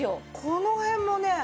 この辺もね。